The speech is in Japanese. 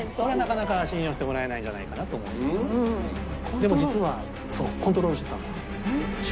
でも実はコントロールしてたんです。